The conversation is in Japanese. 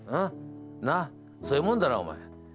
なあそういうもんだろお前。